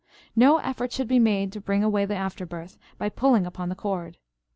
No effort should be made to bring away the after birth by pulling upon the cord.